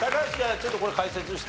ちょっとこれ解説して。